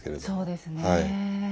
そうですね。